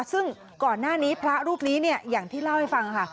ซึ่งก่อนหน้านี้พระรูปนี้เนี่ยอย่างที่เล่าให้ฟังค่ะ